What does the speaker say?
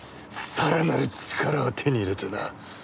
更なる力を手に入れてな！